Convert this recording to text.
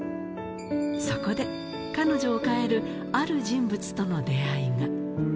そこで彼女を変えるある人物との出会いが。